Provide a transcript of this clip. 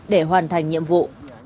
để hoàn thành nhiệm vụ